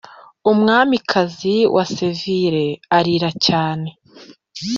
umwamikazi wa seville, arira cyane? '